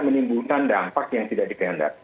menimbulkan dampak yang tidak dikehendak